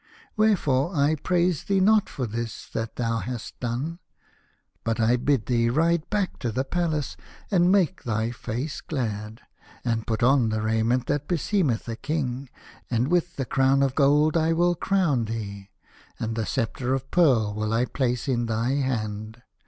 Wherefore I praise thee not for this that thou hast done, but I bid thee ride back to the Palace and make thy face glad, and put on the raiment that beseemeth a king, and with the crown of gold I will crown thee, and the sceptre of pearl will I place in thy hand.